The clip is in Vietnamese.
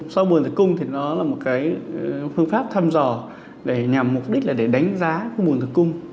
soi bùn tử cung thì nó là một phương pháp thăm dò để nhằm mục đích là để đánh giá bùn tử cung